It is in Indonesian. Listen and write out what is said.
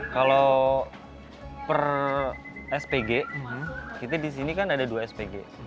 kalau per spg kita di sini kan ada dua spg